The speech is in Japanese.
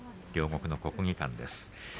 両国の国技館です。